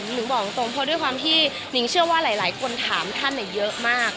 นิงบอกตรงเพราะด้วยความที่นิ่งเชื่อว่าหลายคนถามท่านเยอะมาก